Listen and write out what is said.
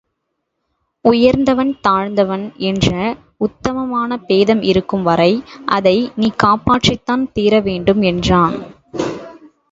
உயர்ந்தவன் தாழ்ந்தவன் என்ற உத்தமமான பேதம் இருக்கும் வரை அதை நீ காப்பாற்றித்தான் தீரவேண்டும் என்றான்.